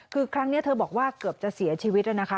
คือครั้งนี้เธอบอกว่าเกือบจะเสียชีวิตแล้วนะคะ